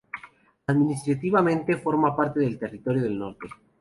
Administrativamente forma parte del Territorio del Norte.